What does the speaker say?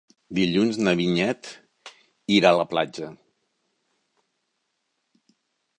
Dilluns na Vinyet irà a la platja.